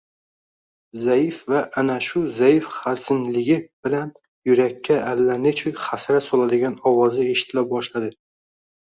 zaif va ana shu zaif-hazinligi bilan yurakka allanechuk hasrat soladigan ovozi eshitila boshladi: